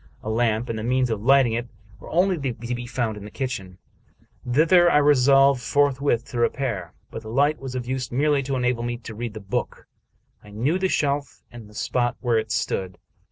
A lamp, and the means of lighting it, were only to be found in the kitchen. Thither I resolved forthwith to repair; but the light was of use merely to enable me to read the book. I knew the shelf and the spot where it stood.